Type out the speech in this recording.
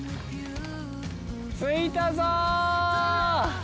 着いたぞー！